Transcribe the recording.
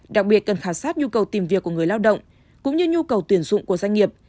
đặc biệt cần khảo sát nhu cầu tìm việc của người lao động cũng như nhu cầu tuyển dụng của doanh nghiệp